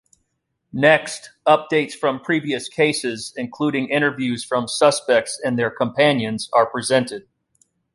Next, updates from previous cases, including interviews from suspects and their companions, are presented.